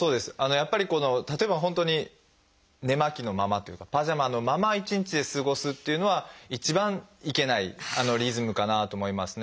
やっぱりこの例えば本当に寝巻きのままというかパジャマのまま１日過ごすというのは一番いけないリズムかなと思いますね。